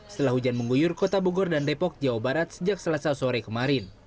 setelah hujan mengguyur kota bogor dan depok jawa barat sejak selasa sore kemarin